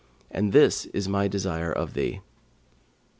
And this is my desire of thee.'